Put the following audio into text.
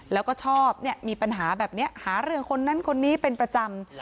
แล้วก็ชอบมีปัญหาแบบนี้หาเรื่องคนนั้นคนนี้เป็นประจำ